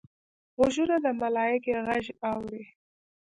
غوږونه د ملایکې غږ اوري